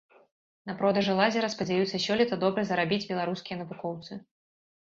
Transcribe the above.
На продажы лазера спадзяюцца сёлета добра зарабіць беларускія навукоўцы.